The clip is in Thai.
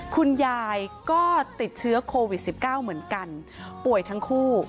คุณยายก็ติดเชื้อโควิด๑๙เหมือนกันป่วยทั้งคู่